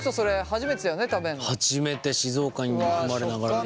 初めて静岡に生まれながら。